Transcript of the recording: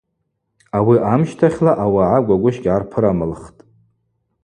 Ауи амщтахьла ауагӏа гвагвыщ гьгӏарпырамылхтӏ.